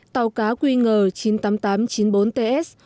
tàu cá quy ngờ chín mươi tám nghìn tám trăm chín mươi bốn ts